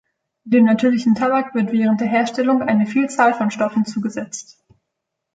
Dem natürlichen Tabak wird während der Herstellung eine Vielzahl von Stoffen zugesetzt.